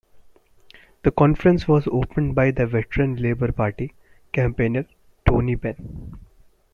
The conference was opened by the veteran Labour Party campaigner Tony Benn.